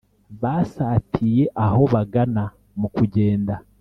basatiye aho bagana mukugenda